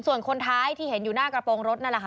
ส่วนคนท้ายที่เห็นอยู่หน้ากระโปรงรถนั่นแหละค่ะ